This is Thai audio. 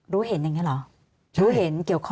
รู้เห็นอย่างนี้หรอ